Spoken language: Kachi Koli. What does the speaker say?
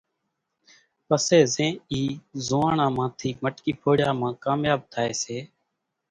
پسي زين اِي زوئاڻان مان ٿي مٽڪي ڦوڙيا مان ڪامياٻ ٿائي سي ۔